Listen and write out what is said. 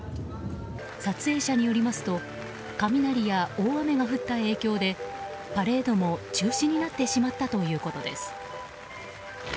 撮影者によりますと雷や大雨が降った影響でパレードも中止になってしまったということです。